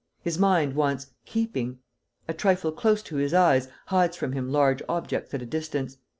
His mind wants keeping. A trifle close to his eyes hides from him large objects at a distance....